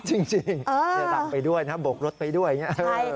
จริงเดี๋ยวตำไปด้วยนะฮะโบกรถไปด้วยเนี่ย